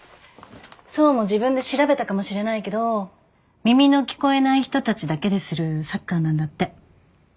想も自分で調べたかもしれないけど耳の聞こえない人たちだけでするサッカーなんだって。